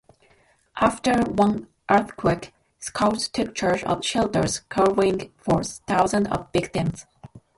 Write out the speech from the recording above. After one earthquake, Scouts took charge of shelters caring for thousands of victims.